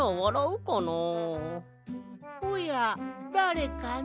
・おやだれかの？